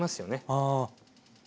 ああ。